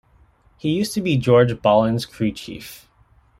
He used to be George Balhan's crew chief.